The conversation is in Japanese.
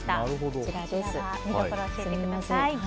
こちらも見どころを教えてください。